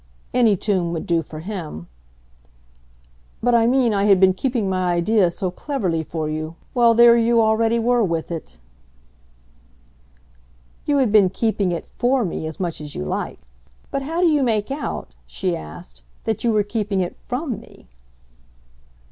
Any tomb would do for him. "But I mean I had been keeping my idea so cleverly for you, while there you already were with it." "You had been keeping it 'for' me as much as you like. But how do you make out," she asked, "that you were keeping it FROM me?"